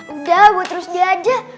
udah gue terus dia aja